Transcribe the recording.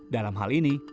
dalam hal ini